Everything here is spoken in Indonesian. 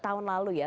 tahun lalu ya